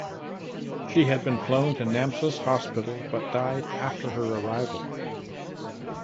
She had been flown to Namsos Hospital but died after her arrival.